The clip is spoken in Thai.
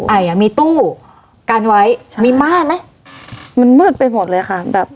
อ่ะมีตู้กันไว้ใช่มีม่านไหมมันมืดไปหมดเลยค่ะแบบ